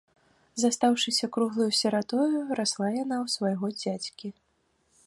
Застаўшыся круглаю сіратою, расла яна ў свайго дзядзькі.